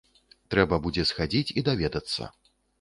Трэба будзе схадзіць і даведацца.